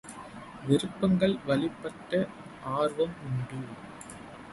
விருப்பங்கள் வழிப்பட்ட ஆர்வம் உண்டு.